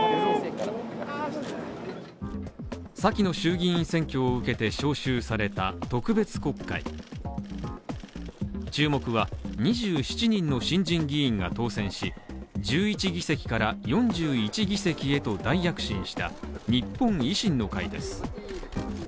先の衆議院選挙を受けて召集された特別国会注目は、２７人の新人議員が当選し、１１議席から４１議席へと大躍進した日本維新の会です。